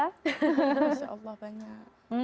masya allah banyak